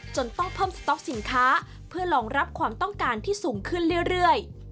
ต้องเพิ่มสต๊อกสินค้าเพื่อรองรับความต้องการที่สูงขึ้นเรื่อย